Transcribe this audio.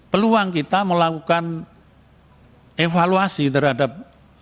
peluang kita melakukan evaluasi terhadap